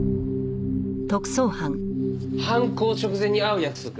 犯行直前に会う約束。